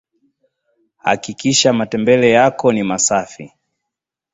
hakikisha Matembele yako mi masafi